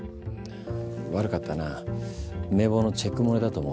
悪かったな名簿のチェック漏れだと思う。